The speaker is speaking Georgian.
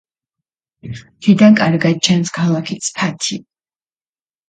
მთიდან კარგად ჩანს ქალაქი ცფათი.